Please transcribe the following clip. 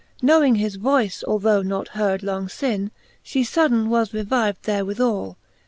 Knowing his voice, although not heard long lin, She fudden was revived therewithal!